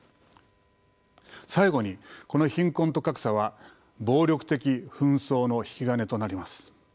最後にこの貧困と格差は暴力的紛争の引き金となります。